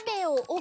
お！